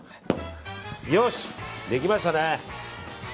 よし、できましたね。